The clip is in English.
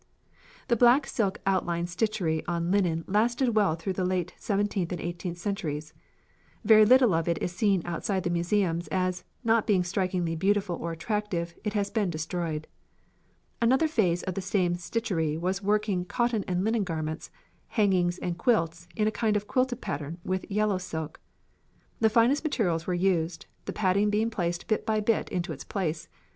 "The black silk outline stitchery on linen lasted well through the late seventeenth and eighteenth centuries. Very little of it is seen outside the museums, as, not being strikingly beautiful or attractive, it has been destroyed. Another phase of the same stitchery was working cotton and linen garments, hangings and quilts in a kind of quilted pattern with yellow silk. The finest materials were used, the padding being placed bit by bit into its place.